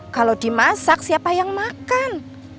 kalau dimasak siapa yang makan